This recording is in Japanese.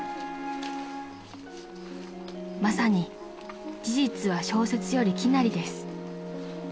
［まさに事実は小説より奇なりです］